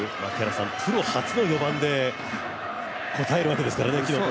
プロ初の４番で応えるわけですからね。